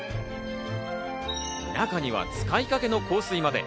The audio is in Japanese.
中には使いかけの香水まで。